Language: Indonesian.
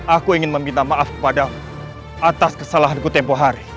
aku ingin meminta maaf kepadamu atas kesalahanku tempoh hari